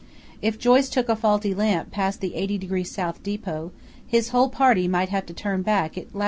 If Joyce took a faulty lamp past the 80° S. depot, his whole party might have to turn back at lat.